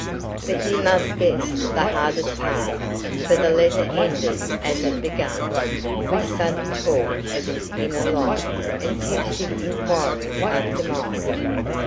But you must guess the hardest part: for the letter ended as it began, with sudden talk of his inner life, and tentative inquiry after mine.